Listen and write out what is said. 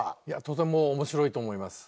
とても面白いと思います。